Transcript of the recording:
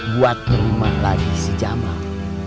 buat nerima lagi si jamal